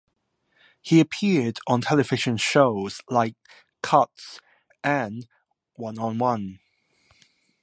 He appeared on television shows like "Cuts" and "One on One".